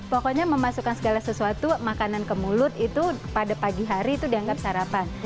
pokoknya memasukkan segala sesuatu makanan ke mulut itu pada pagi hari itu dianggap sarapan